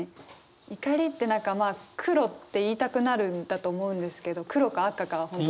怒りって何か黒って言いたくなるんだと思うんですけど黒か赤か。